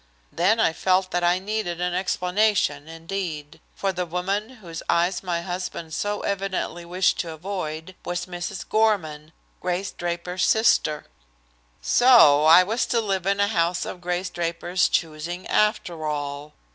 Then I felt that I needed an explanation, indeed. For the woman whose eyes my husband so evidently wished to avoid was Mrs. Gorman, Grace Draper's sister. So I was to live in a house of Grace Draper's choosing, after all!